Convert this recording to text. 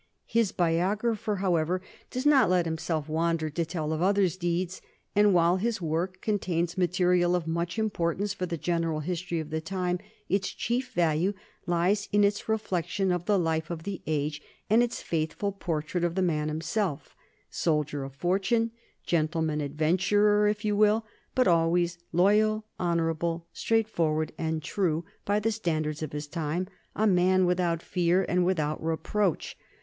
His biographer, however, does not let himself wander to tell of others' deeds, and while his work contains material of much importance for the general history of the time, its chief value lies in its reflection of the life of the age and its faithful portrait of the man himself soldier of fortune, gentleman adventurer if you will, but always loyal, honorable, straightforward, and true, by the standards of his time a man without fear and without reproach.